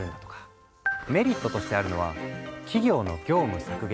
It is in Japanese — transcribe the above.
メリットとしてあるのは企業の業務削減